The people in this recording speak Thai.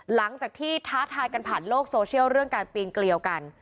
หลังจากที่ท้าทายกันผ่านโลกโซเชียลเรื่องการปีนเกลียวกัน